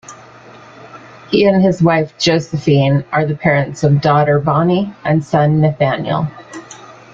He and his wife, Josephine, are the parents of daughter, Bonnie and son, Nathanael.